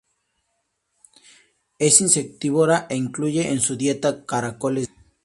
Es insectívora e incluye en su dieta caracoles de agua.